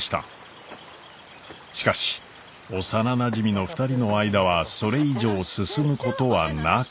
しかし幼なじみの２人の間はそれ以上進むことはなく。